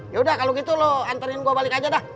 yaudah kalau gitu lo anterin gua balik aja dah